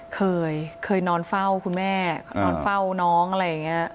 เคยเคยนอนเฝ้าคุณแม่นอนเฝ้าน้องอะไรอย่างนี้